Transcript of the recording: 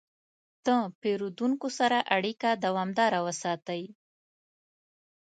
د پیرودونکو سره اړیکه دوامداره وساتئ.